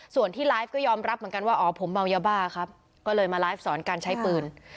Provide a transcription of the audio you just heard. ส่วนที่ไลฟ์ก็ยอมรับเหมือนกันว่าอ๋อผมเมายาบ้าครับก็เลยมาไลฟ์สอนการใช้ปืน